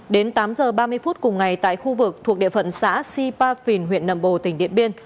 đến tám giờ ba mươi phút cùng ngày tại khu vực thuộc địa phận xã si pa phìn huyện nầm bồ tỉnh điện biên